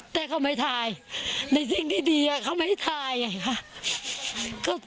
แต่เขาไม่ทายในสิ่งที่ดีอ่ะเขาไม่ทายไงฮะ